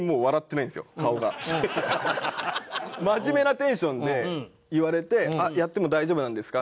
真面目なテンションで言われて「やっても大丈夫なんですか？」